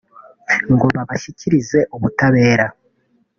ngo babashyikirize ubutabera